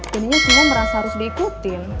jadinya semua merasa harus diikutin